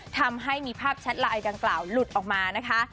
ทำให้มีภาพแชทไลน์ดังกล่าวหลุดออกมานะคะ